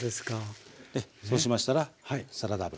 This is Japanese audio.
そうしましたらサラダ油。